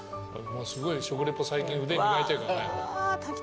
すごい食レポ最近腕磨いてるからね。